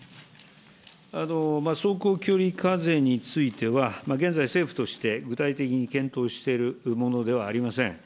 走行距離課税については、現在、政府として具体的に検討しているものではありません。